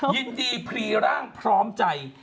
ยินดีพรีร่างพร้อมใจ